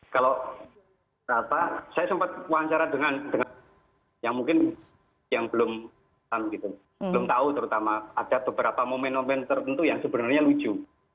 kalau saya sempat wawancara dengan yang mungkin yang belum tahu terutama ada beberapa momen momen tertentu yang sebenarnya lucu